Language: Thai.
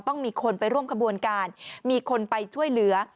ต้องมีคนไปร่วมขบวนการมีคนไปช่วยเหลือ